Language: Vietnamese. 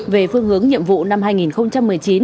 về phương hướng nhiệm vụ năm hai nghìn một mươi chín